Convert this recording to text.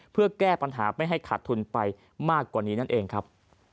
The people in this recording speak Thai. เพื่อแก้ปัญหาไม่ให้ขาดทุนไปมากกว่านี้นั่นเองครับ